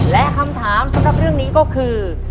และคำถามสำหรับเรื่องนี้ก็คือ